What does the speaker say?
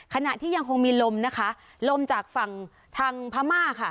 ขณะที่ยังคงมีลมนะคะลมจากฝั่งทางพม่าค่ะ